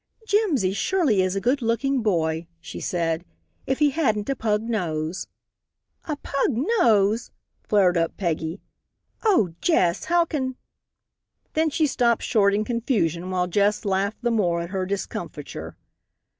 "Jimsy surely is a good looking boy," she said, "if he hadn't a pug nose." "A pug nose!" flared up Peggy. "Oh, Jess, how can " Then she stopped short in confusion while Jess laughed the more at her discomfiture.